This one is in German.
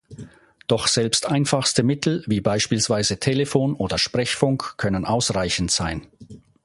Doch selbst einfachste Mittel wie beispielsweise Telefon oder Sprechfunk können ausreichend sein.